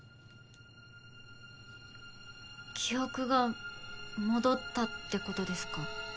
記憶が戻ったってことですか？